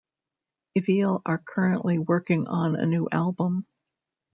Evile are currently working on a new album.